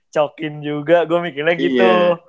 cokin juga gue mikirnya gitu